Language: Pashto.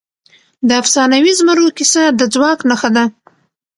د افسانوي زمرو کیسه د ځواک نښه ده.